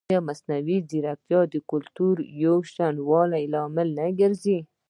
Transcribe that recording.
ایا مصنوعي ځیرکتیا د کلتوري یوشان والي لامل نه ګرځي؟